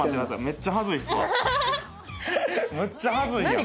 むっちゃはずいやん！